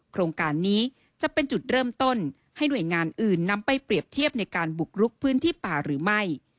โครงการนี้จะเป็นจุดเริ่มต้นให้หน่วยงานอื่นนำไปเปรียบเทียบในการบุกรุกพื้นที่ป่าหรือไม่